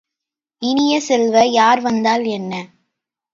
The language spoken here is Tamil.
இனிய செல்வ, யார் வந்தால் என்ன?